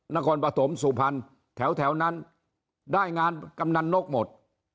นครปฐมสุพันธ์แถวแถวนั้นได้งานกำนันต์นกหมด